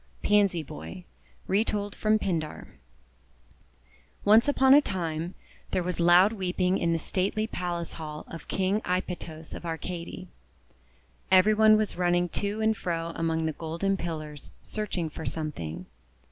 PANSY BOY Retold from Pindar ONCE upon a time, there was loud weeping in the stately palace hall of King Aipytos of Ar cady. Every one was running to and fro among the golden pillars, searching for something.